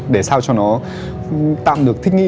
để sao cho nó tạm được thích nghi